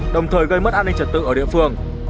đồng thời gây mất an ninh trật tự ở địa phương